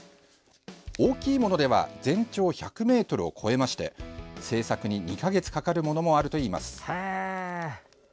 大きいものでは全長１００ｍを超えまして制作に２か月かかるものもあるといいます。